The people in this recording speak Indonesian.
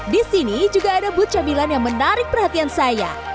di sini juga ada booth camilan yang menarik perhatian saya